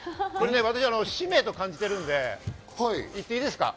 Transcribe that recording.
私、使命と感じているので言っていいですか？